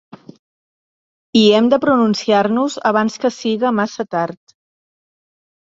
I hem de pronunciar-nos abans que siga massa tard.